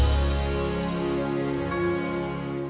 patung pakai asarn dear